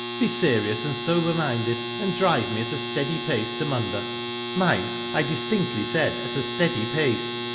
Be serious and sober minded, and drive me at a steady pace to Munda. Mind, I distinctly said, at a steady pace.